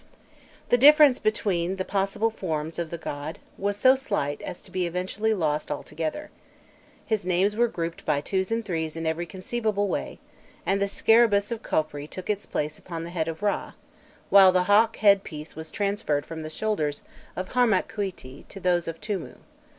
The difference between the possible forms of the god was so slight as to be eventually lost altogether. His names were grouped by twos and threes in every conceivable way, and the scarabæus of Khopri took its place upon the head of Râ, while the hawk headpiece was transferred from the shoulders of Harmakhûîti to those of Tûmû.